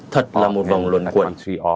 thật là một vòng luận quẩy